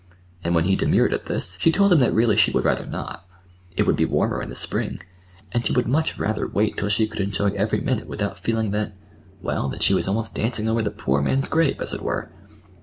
And when he demurred at this, she told him that really she would rather not. It would be warmer in the spring, and she would much rather wait till she could enjoy every minute without feeling that—well, that she was almost dancing over the poor man's grave, as it were.